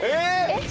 えっ？